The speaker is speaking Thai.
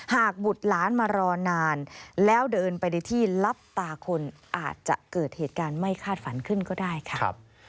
บุตรหลานมารอนานแล้วเดินไปในที่ลับตาคนอาจจะเกิดเหตุการณ์ไม่คาดฝันขึ้นก็ได้ค่ะ